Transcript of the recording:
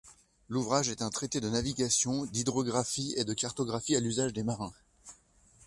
L'ouvrage est un traité de navigation, d’hydrographie et de cartographie à l’usage des marins.